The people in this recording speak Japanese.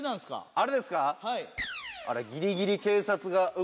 あれですか？